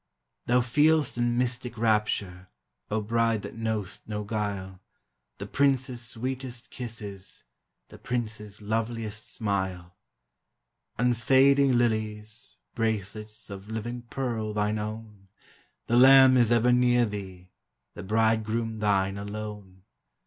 Thou feel'st in mystic rapture, O Bride that know'st no guile, The Prince's sweetest kisses, The Prince's loveliest smile; Unfading lilies, bracelets Of living pearl thine own ; The Lamb is ever near thee, The Bridegroom thine alone.